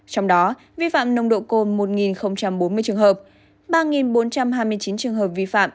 trong đó vi phạm nồng độ cồn một bốn mươi trường hợp ba bốn trăm hai mươi chín trường hợp vi phạm